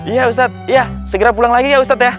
iya ustaz segera pulang lagi ya ustaz ya